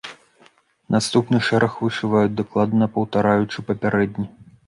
Наступны шэраг вышываюць дакладна паўтараючы папярэдні.